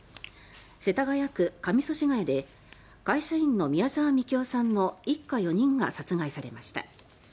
世田谷区上祖師谷で会社員の宮沢みきおさんの一家４人が殺害されました。